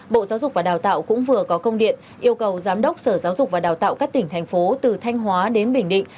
bộ giáo dục và đào tạo cũng vừa có công điện yêu cầu giám đốc sở giáo dục và đào tạo các tỉnh thành phố từ thanh hóa đến bình định